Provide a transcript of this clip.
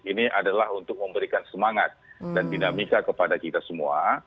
ini adalah untuk memberikan semangat dan dinamika kepada kita semua